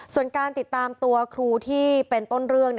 ส่วนการติดตามตัวครูที่เป็นต้นเรื่อง